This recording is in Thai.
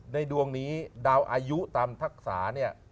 ในดวงนี้ดาวอายุตามทักษะ